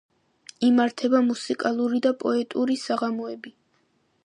იმართება მუსიკალური და პოეტური საღამოები.